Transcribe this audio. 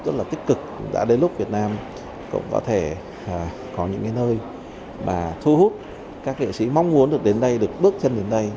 rất là tích cực đã đến lúc việt nam cũng có thể có những cái nơi mà thu hút các nghệ sĩ mong muốn được đến đây được bước chân đến đây